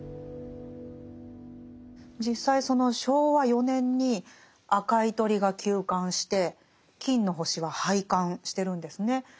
実際その昭和４年に「赤い鳥」が休刊して「金の星」は廃刊してるんですね。